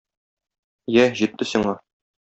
Йә, җитте сиңа!